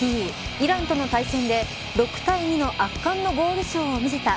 イランとの対戦で６対２の圧巻のゴールショーを見せたＦＩＦＡ